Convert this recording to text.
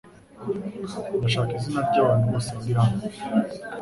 Ndashaka izina ryabantu bose bari hano